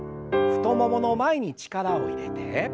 太ももの前に力を入れて。